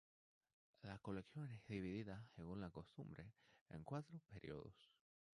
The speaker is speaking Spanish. La colección es dividida, según la costumbre, en cuatro períodos.